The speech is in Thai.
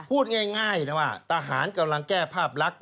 พูดง่ายนะว่าทหารกำลังแก้ภาพลักษณ์